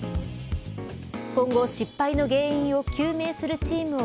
今後失敗の原因を究明するチームを